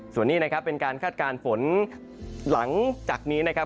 ส่วนนี้นะครับเป็นการคาดการณ์ฝนหลังจากนี้นะครับ